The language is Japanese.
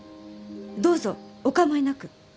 どうぞお構いなく。